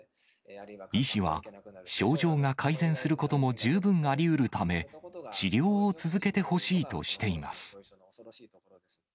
医師は症状が改善することも十分ありうるため、治療を続けてほしいとしています。